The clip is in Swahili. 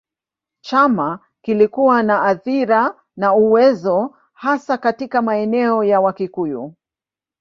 Chama kilikuwa na athira na uwezo hasa katika maeneo ya Wakikuyu.